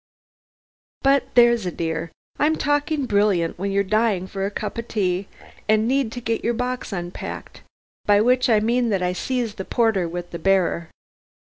But there's a dear, I'm talking brilliant, when you're dying for a cup of tea, and need to get your box unpacked, by which I mean that I sees the porter with the barrer."